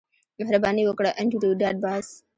مهرباني وکړه انډریو ډاټ باس